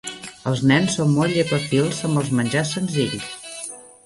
Els nens són molt llepafils amb els menjars senzills.